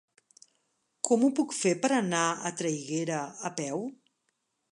Com ho puc fer per anar a Traiguera a peu?